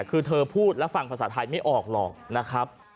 คือเธอพูดแล้วฟังภาษาไทยไม่ออกหรอกนะครับ